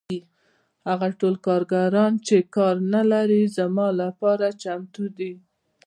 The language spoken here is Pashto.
هغه ټول کارګران چې کار نلري زما لپاره چمتو دي